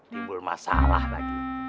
timbul masalah lagi